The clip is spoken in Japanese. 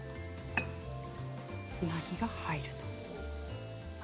つなぎが入ると。